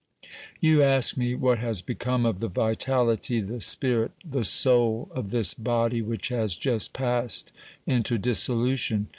You ask me what has become of the vitality, the spirit, the soul of this body which has just passed into dissolution.